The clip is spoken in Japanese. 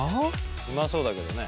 うまそうだけどね。